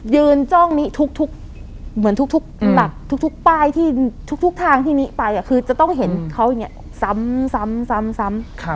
ยืนจ้องนี้ทุกทุกหนักทุกทางที่นี้ไปคือจะต้องเห็นเขาอย่างนี้ซ้ำ